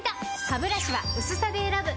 ハブラシは薄さで選ぶ！